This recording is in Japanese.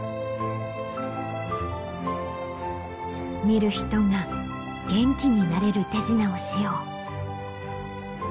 見る人が元気になれる手品をしよう。